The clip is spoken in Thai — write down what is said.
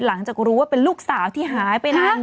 หลังจากรู้ว่าเป็นลูกสาวหายไปนาน๒๐ปี